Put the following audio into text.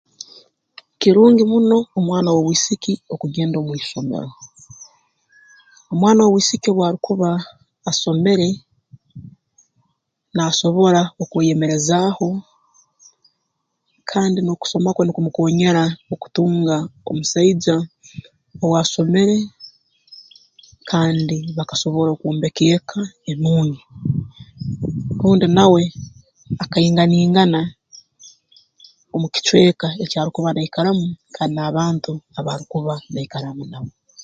Kirungi muno omwana w'obwisiki okugenda omu isomero omwana w'obwisiki obu arukuba asomere naasobora okweyemerezaaho kandi n'okusoma kwe nukumukoonyera okutunga omusaija owaasomere kandi bakasobora okwombeka eka enungi rundi nawe akainganingana omu kicweka eki arukuba naikaramu kandi n'abantu abarukuba naikaramu nabo